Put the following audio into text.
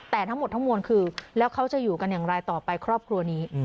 แต่ทั้งหมดทั้งมวลคือแล้วเขาจะอยู่กันอย่างไรต่อไปครอบครัวนี้